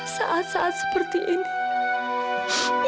saat saat seperti ini